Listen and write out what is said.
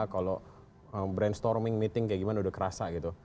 kalau brainstorming meeting kayak gimana udah kerasa gitu